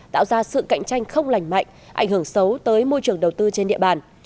tạo ra sự cạnh tranh không lành mạnh ảnh hưởng xấu tới môi trường đầu tư trên địa bàn